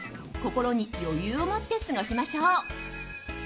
心に余裕を持って過ごしましょう。